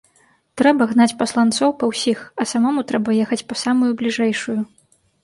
Трэба гнаць пасланцоў па ўсіх, а самому трэба ехаць па самую бліжэйшую.